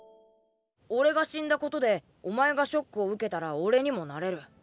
俺が死んだことでお前がショックを受けたら俺にもなれる。